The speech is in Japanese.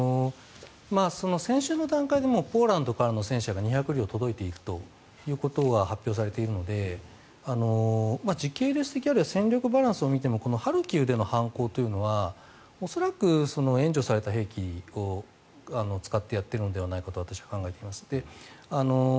先週の段階でポーランドからの戦車が２００両届いているということが発表されているので時系列的あるいは戦力バランスを見てもハルキウでの犯行というのは恐らく援助された兵器を使ってやっているのではと私は考えています。